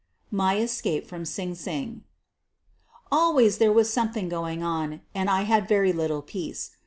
MY ESCAPE FROM SING SING Always there was something going on, and I had rery little peace.